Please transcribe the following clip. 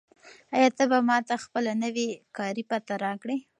آیا ته به ماته خپله نوې کاري پته راکړې؟